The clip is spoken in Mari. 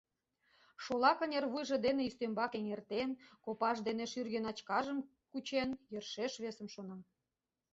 Шола кынервуйжо дене ӱстембак эҥертен, копаж дене шӱргӧ начкажым кучен, йӧршеш весым шона.